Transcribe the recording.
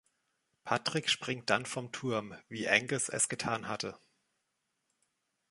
Patrick springt dann vom Turm, wie Angus es getan hatte.